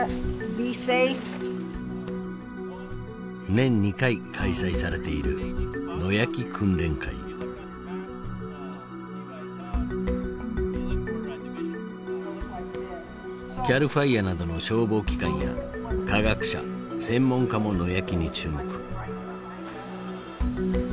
年２回開催されているＣＡＬＦＩＲＥなどの消防機関や科学者専門家も野焼きに注目。